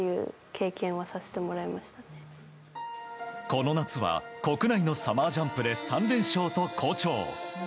この夏は国内のサマージャンプで３連勝と好調。